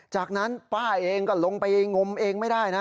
จากนั้นป้าเองก็ลงไปงมเองไม่ได้นะ